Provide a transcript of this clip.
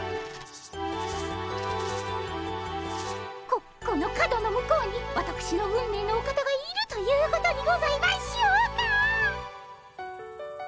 ここの角の向こうにわたくしの運命のお方がいるということにございましょうか。